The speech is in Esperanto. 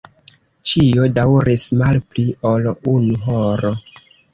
Ĉio daŭris malpli ol unu horo.